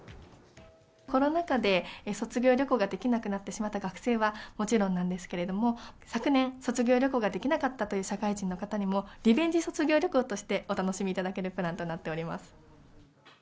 コロナ禍で卒業旅行ができなくなってしまった学生はもちろんなんですけれども、昨年、卒業旅行ができなかったという社会人の方にも、リベンジ卒業旅行として、お楽しみいただけるプランとなっております。